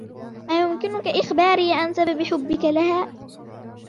أيمكنك إخباري عن سبب حبك لها ؟